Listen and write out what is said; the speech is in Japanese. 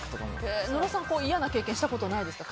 野呂さん、嫌な経験したことないですか。